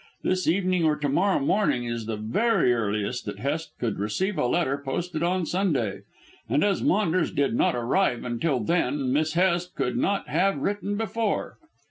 This evening or to morrow morning is the very earliest that Hest could receive a letter posted on Sunday, and as Maunders did not arrive until then Miss Hest could not have written before."